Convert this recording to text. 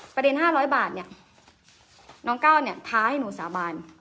๕๐๐บาทเนี่ยน้องก้าวเนี่ยท้าให้หนูสาบาน